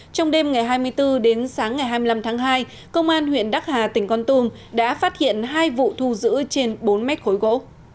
trong đêm ngày hai mươi bốn đến sáng ngày hai mươi năm tháng hai công an huyện đắc hà tỉnh con tum đã phát hiện hai vụ thu giữ trên bốn mét khối gỗ